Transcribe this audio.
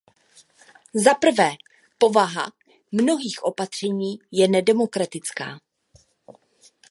Zaprvé, povaha mnohých opatření je nedemokratická.